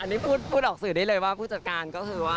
อันนี้พูดออกสื่อได้เลยว่าผู้จัดการก็คือว่า